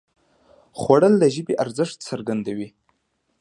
خوړل د ژبې ارزښت څرګندوي